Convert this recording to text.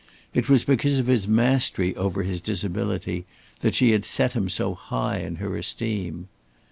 It was because of his mastery over his disability that she had set him so high in her esteem.